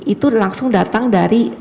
itu langsung datang dari